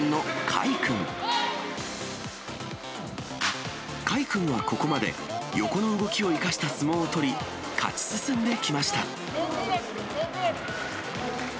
甲斐君はここまで横の動きを生かした相撲を取り、勝ち進んできました。